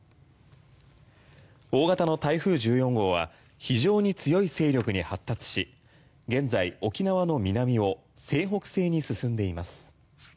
大型の台風１４号は非常に強い勢力に発達し現在、沖縄の南を西北西に進んでいます。